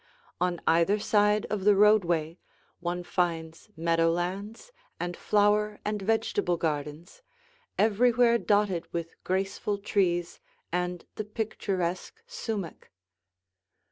On either side of the roadway one finds meadow lands and flower and vegetable gardens, everywhere dotted with graceful trees and the picturesque sumach.